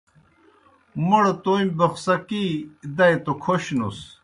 موْڑ تومیْ بوخڅَکِی دائے توْ کھوشنُس۔